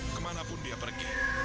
kemanapun dia pergi